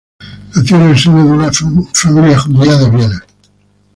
Nació en el seno de una familia judía en Viena.